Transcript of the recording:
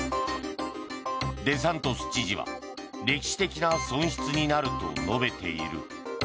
デサントス知事は歴史的な損失になると述べている。